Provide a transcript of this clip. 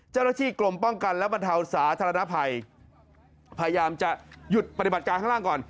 เจ้าหน้าที่กรมป้องกันและบรรเทาสาธารณภัยพยายามจะหยุดปฏิบัติการข้างล่างก่อน